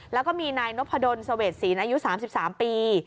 แล้วก็มีนายนพดลเสวดศีลอายุ๓๓ปี